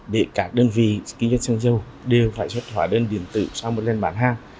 để các đơn vị kinh doanh xăng dầu đều phải xuất hóa đơn điện tử sau một lần bán hàng